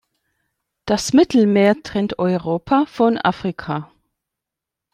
Das Mittelmeer trennt Europa von Afrika.